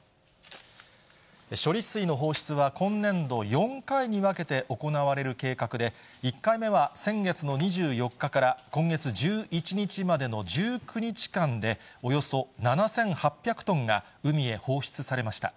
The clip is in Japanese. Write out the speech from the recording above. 処理水の放出は、今年度４回に分けて行われる計画で、１回目は先月の２４日から今月１１日までの１９日間で、およそ７８００トンが海へ放出されました。